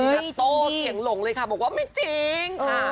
เฮ้ยจริงนัตโต้เสียงหลงเลยค่ะบอกว่าไม่จริงค่ะ